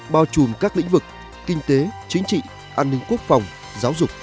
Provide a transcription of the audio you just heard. bao trùm các lĩnh vực kinh tế chính trị an ninh quốc phòng giáo dục